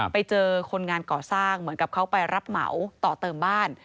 ไปเจอคนงานก่อสร้างเหมือนกับเขาไปรับเหมาต่อเติมบ้าน